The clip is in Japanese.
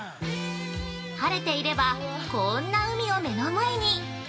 ◆晴れていれば、こーんな海を目の前に。